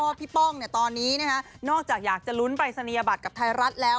พี่ป้องตอนนี้นอกจากอยากจะลุ้นปรายศนียบัตรกับไทยรัฐแล้ว